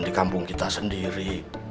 di kampung kita sendiri